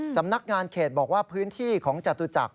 สำนักงานเขตบอกว่าพื้นที่ของจตุจักร